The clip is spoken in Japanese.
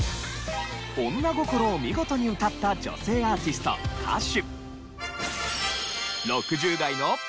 女心を見事に歌った女性アーティスト・歌手。